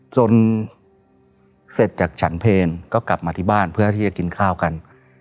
เสร็จจากฉันเพลก็กลับมาที่บ้านเพื่อที่จะกินข้าวกัน